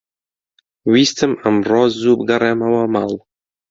ویستم ئەمڕۆ زوو بگەڕێمەوە ماڵ.